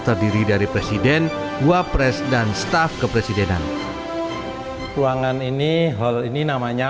berdiri dari presiden gua pres dan staf kepresidenan ruangan ini hal ini namanya